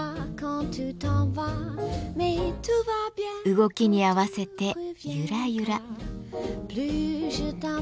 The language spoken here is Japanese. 動きに合わせてゆらゆら。